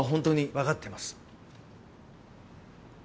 分かっています。